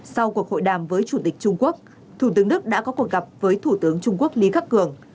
sau cuộc hội đàm với chủ tịch trung quốc thủ tướng đức đã có cuộc gặp với thủ tướng trung quốc lý khắc cường